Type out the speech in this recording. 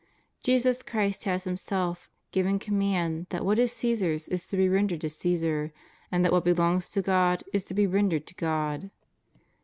Jesus Christ has Himself given command that what is Csesar's is to be rendered to Caesar, and that what belongs to God is to be rendered to God.